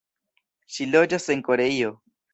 Ŝi loĝas en Koreio.